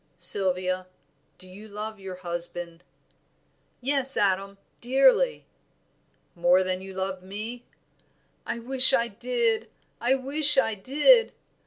Sylvia, do you love your husband?" "Yes, Adam, dearly." "More than you love me?" "I wish I did! I wish I did!"